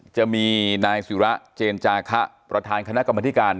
จะมีนายศิระเจนจาคะประธานคณะกรรมธิการ